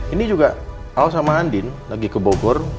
ini juga al sama andi lagi ke bogor